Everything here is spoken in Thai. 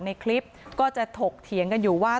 ในคลิปก็จะถกเถียงกันอยู่ว่า